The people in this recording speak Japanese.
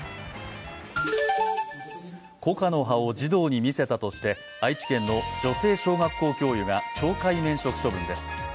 コカの葉を児童に見せたとして、愛知県の女性小学校教諭が懲戒免職処分です。